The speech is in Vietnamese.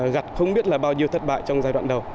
gặt không biết là bao nhiêu thất bại trong giai đoạn đầu